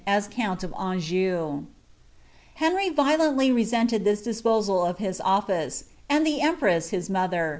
as count of .^njou. Heniy leated this disposal of his otTice ; and the empress his mother.